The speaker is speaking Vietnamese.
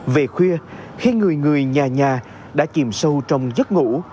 về khuya khi người người nhà nhà đã chìm sâu trong giấc ngủ